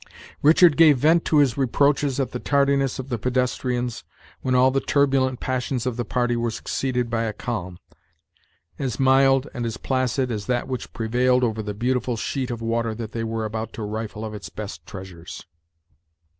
Richard gave vent to his reproaches at the tardiness of the pedestrians, when all the turbulent passions of the party were succeeded by a calm, as mild and as placid as that which prevailed over the beautiful sheet of water that they were about to rifle of its best treasures.